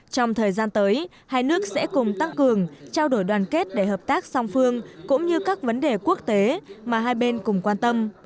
trong thời gian tới hai nước sẽ cùng tăng cường trao đổi đoàn kết để hợp tác song phương cũng như các vấn đề quốc tế mà hai bên cùng quan tâm